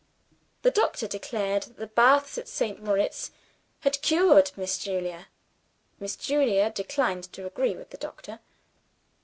The doctor declared that the baths at St. Moritz had cured Miss Julia. Miss Julia declined to agree with the doctor.